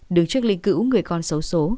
đứng trước linh cữu người con xấu xố